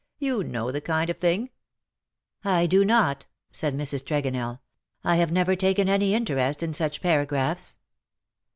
You know the kind of thing ?"" I do not," said Mrs. Tregonell. " I have never taken any interest in such paragraphs."